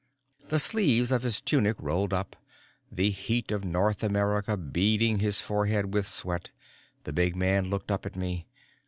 The sleeves of his tunic rolled up, the heat of North America beading his forehead with sweat, the big man looked up at me.